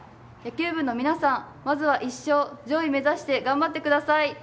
野球部の皆さんまずは１勝上位めざして頑張ってください！